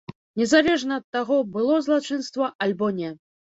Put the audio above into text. Незалежна ад таго, было злачынства альбо не.